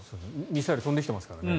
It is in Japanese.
ミサイル飛んできてますからね。